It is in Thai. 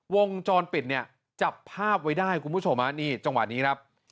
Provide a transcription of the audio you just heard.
วงจรปิดเนี่ยจับภาพไว้ได้คุณผู้ชมฮะนี่จังหวะนี้ครับ